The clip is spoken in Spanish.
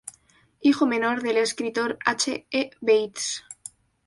Hijo menor del escritor H. E. Bates.